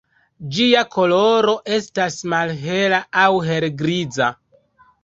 Ĝia koloro estas malhela aŭ helgriza.